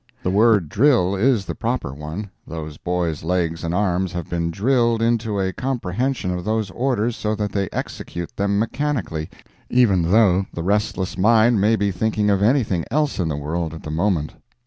The word "drill" is the proper one—those boys' legs and arms have been drilled into a comprehension of those orders so that they execute them mechanically, even though the restless mind may be thinking of anything else in the world at the moment.